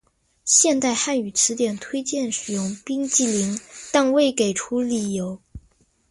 《现代汉语词典》推荐使用“冰激凌”但未给出理由。